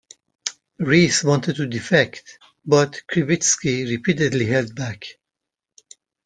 Reiss wanted to defect, but Krivitsky repeatedly held back.